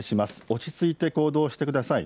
落ち着いて行動してください。